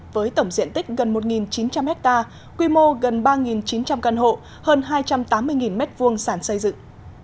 với tổng diện tích gần một chín trăm linh ha quy mô gần ba chín trăm linh căn hộ hơn hai trăm tám mươi m hai sản xây dựng